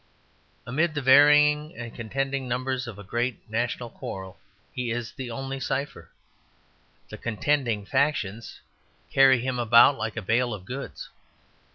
Amid the varying and contending numbers of a great national quarrel, he is the only cipher. The contending factions carry him about like a bale of goods.